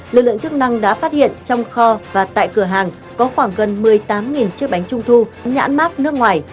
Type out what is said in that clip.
lực lượng chức năng đã phát hiện trong kho và tại cửa hàng có khoảng gần một mươi tám chiếc bánh trung thu nhãn mát nước ngoài